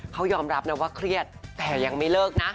เขายอมรับนะว่าเครียดแต่ยังไม่เลิกนะ